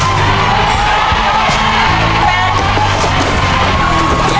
ลูกสุดท้าย